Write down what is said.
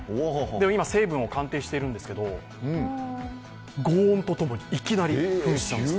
今、成分を鑑定してるんですけど、ごう音とともにいきなり噴射した。